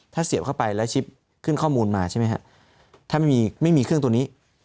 ถ้าเสียบเข้าไปแล้วชิปขึ้นข้อมูลมาถ้าไม่มีเครื่องตัวนี้